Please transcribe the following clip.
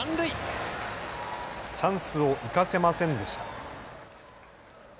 チャンスを生かせませんでした。